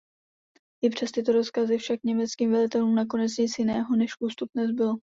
I přes tyto rozkazy však německým velitelům nakonec nic jiného než ústup nezbylo.